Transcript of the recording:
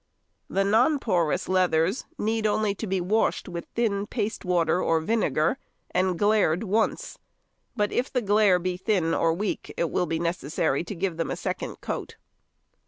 The non porous leathers need only be washed with thin paste water or vinegar, and glaired once; but if the glaire be thin or weak it will be necessary to give them a second coat.